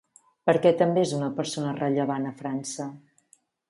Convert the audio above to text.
Per què també és una persona rellevant a França?